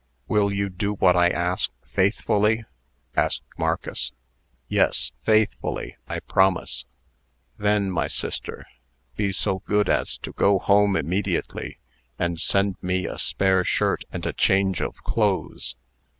"Will you do what I ask, faithfully?" asked Marcus. "Yes, faithfully. I promise." "Then, my sister, be so good as to go home immediately, and send me a spare shirt and a change of clothes.